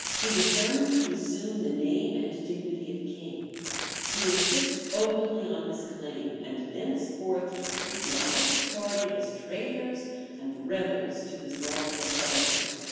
He determined to assume the name and dignity of king; to insist openly on his claim; and thenceforth to treat the opposite party as traitors and rebels to his lawful authority.